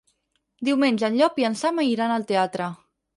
Diumenge en Llop i en Sam iran al teatre.